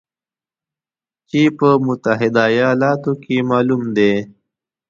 چې په متحده ایالاتو کې معمول دی